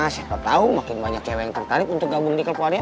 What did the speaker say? siapa tau makin banyak cewek yang tertarik untuk gabung di klub warrior